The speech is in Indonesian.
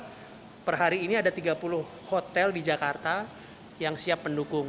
dan sejauh ini per hari ini ada tiga puluh hotel di jakarta yang siap mendukung